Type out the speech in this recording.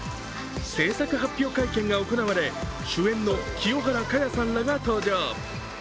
制作発表会見が行われ、主演の清原果耶らが登場。